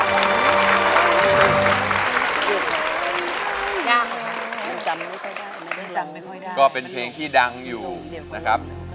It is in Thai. ยังจำไม่ค่อยได้จำไม่ค่อยได้ก็เป็นเพลงที่ดังอยู่นะครับ